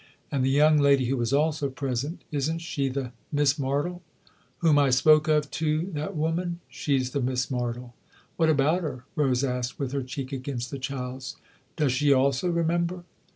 "And the young lady who was also present isn't she the Miss Martle ?"" Whom I spoke of to that woman ? She's the Miss Martle. What about her ?" Rose asked with her cheek against the child's. " Does she also remember?